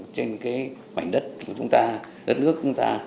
trên mảnh đất của chúng ta đất nước của chúng ta